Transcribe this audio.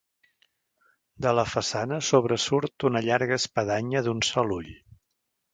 De la façana sobresurt una llarga espadanya d'un sol ull.